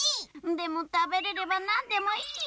でもたべれればなんでもいいじゃん。